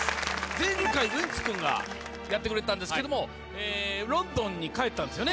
前回ウエンツ君がやってくれてたんですけどもロンドンに帰ったんですよね。